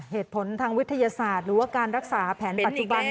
เหตุผลทางวิทยาศาสตร์หรือว่าการรักษาแผนปัจจุบัน